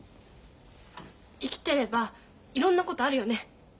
生きてればいろんなことあるよね。